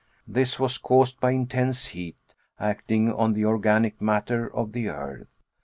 This was caused by intense heat acting on the organic matter of the earth.